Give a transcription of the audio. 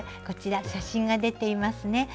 こちら写真が出ていますね。